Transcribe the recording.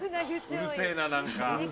うるせえな、何か。